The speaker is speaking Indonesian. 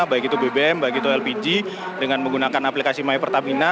baik itu bbm baik itu lpg dengan menggunakan aplikasi my pertamina